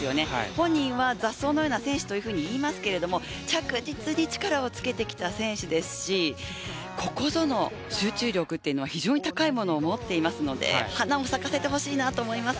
本人は雑草のような選手と言いますが着実に力をつけてきた選手ですしここぞの集中力というのは非常に高いものを持っていますので花を咲かせてほしいと思います。